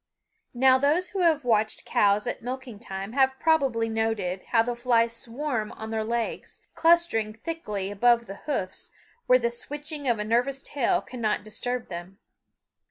Now those who have watched cows at milking time have probably noted how the flies swarm on their legs, clustering thickly above the hoofs, where the switching of a nervous tail cannot disturb them.